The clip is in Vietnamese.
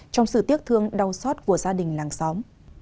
trong sự tiếc thương đau xót của gia đình làng xóm